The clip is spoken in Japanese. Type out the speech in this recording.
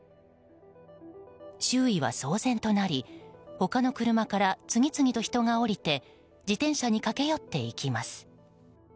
周囲は騒然となり他の車から次々と人が降りて自転車に駆け寄っていきます。